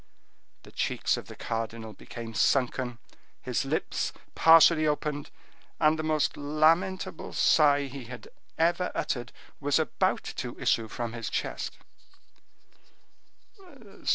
The cheeks of the cardinal became sunken, his lips partially opened, and the most lamentable sigh he had ever uttered was about to issue from his chest.